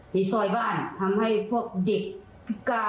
น่ารับไม่นอนนะคะ